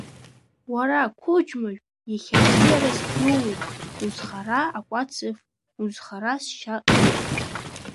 Уара, қәыџьмажә, иахьа абзиара сзууит, узхара акәац ыф, узхара сшьа ыжә!